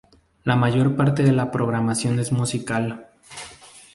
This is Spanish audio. La mayor parte de la programación es musical.